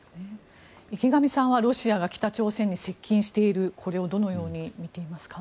池上さんはロシアが北朝鮮に接近しているこれをどのように見ていますか？